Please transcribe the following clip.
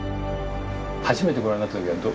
初めてご覧になった時はどんな？